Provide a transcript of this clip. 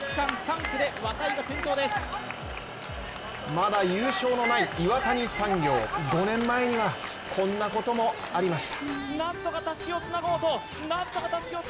まだ優勝のない岩谷産業５年前には、こんなこともありました。